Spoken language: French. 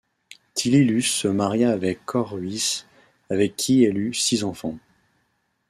Tilly Lus se maria avec Cor Ruys, avec qui elle eut six enfants.